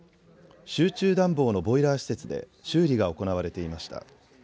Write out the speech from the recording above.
集中暖房のボイラー施設で修理が行われていました。